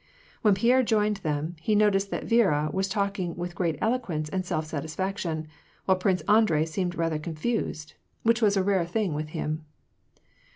When Pierre joined them, he noticed that Viera was talk ing with great eloquence and self satisfaction; while Prince Andrei seemed rather confused, — which was a rare thing with him.